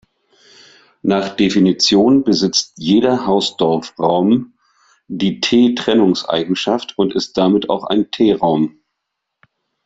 Nach Definition besitzt jeder Hausdorff-Raum die T-Trennungseigenschaft und ist damit auch ein T-Raum.